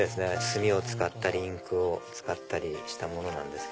墨を使ったりインクを使ったりしたものです。